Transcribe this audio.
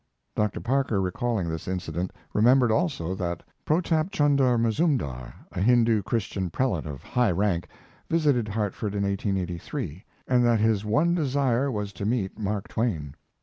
Dr. Parker, recalling this incident, remembered also that Protap Chunder Mazoomdar, a Hindoo Christian prelate of high rank, visited Hartford in 1883, and that his one desire was to meet Mark Twain.